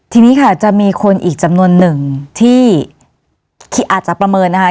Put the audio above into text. ทีนี้ค่ะจะมีคนอีกจำนวนหนึ่งที่อาจจะประเมินนะคะ